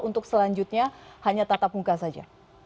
untuk selanjutnya hanya tatap muka saja